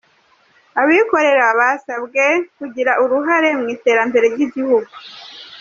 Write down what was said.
Abikorera basabwe kugira uruhare mu iterambere ry’igihugu